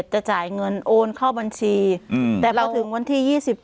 จะจ่ายเงินโอนเข้าบัญชีแต่พอถึงวันที่๒๗